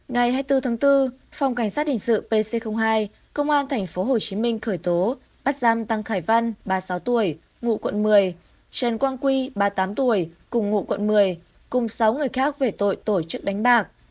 ngày hai mươi bốn tháng bốn phòng cảnh sát hình sự pc hai công an tp hcm khởi tố bắt giam tăng khải văn ba mươi sáu tuổi ngụ quận một mươi trần quang quy ba mươi tám tuổi cùng ngụ quận một mươi cùng sáu người khác về tội tổ chức đánh bạc